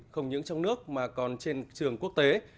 không những trong nước mà còn trên trường quốc tế